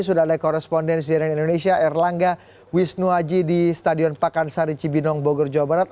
sudah ada korespondensi dari indonesia erlangga wisnuaji di stadion pakansari cibinong bogor jawa barat